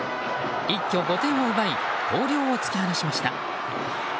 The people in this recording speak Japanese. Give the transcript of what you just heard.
一挙５点を奪い広陵を突き放しました。